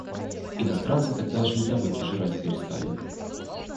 Иностранцы так даже и яблоки жрать перестали.